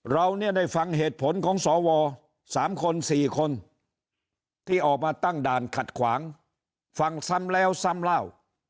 เราเนี่ยได้ฟังเหตุผลของสว๓คน๔คนที่ออกมาตั้งด่านขัดขวางฟังซ้ำแล้วซ้ำเล่า